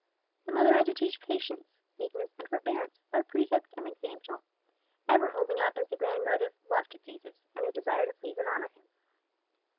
The mother had to teach patience, meekness and forbearance by precept and example, ever holding up as the grand motive, love to Jesus, and a desire to please and honor him.